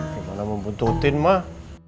gimana mau buntutin mah